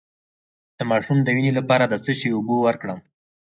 د ماشوم د وینې لپاره د څه شي اوبه ورکړم؟